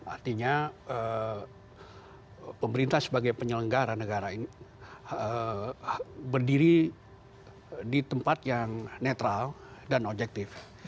artinya pemerintah sebagai penyelenggara negara ini berdiri di tempat yang netral dan objektif